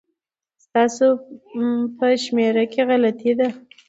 ستاسو په شمېره کي غلطي ده